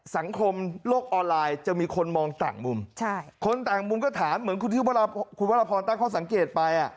สังคมโลกออนไลน์จะมีคนมองต่างมุมคนต่างมุมก็ถามเหมือนคุณที่คุณวรพรตั้งข้อสังเกตไป